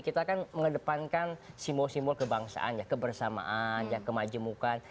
kita kan mengedepankan simbol simbol kebangsaan ya kebersamaan kemajemukan